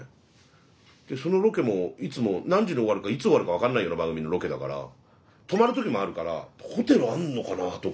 でそのロケもいつも何時に終わるかいつ終わるか分かんないような番組のロケだから泊まる時もあるからホテルあんのかなあとか。